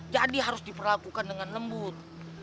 jadi harus diperlakukan dengan lembut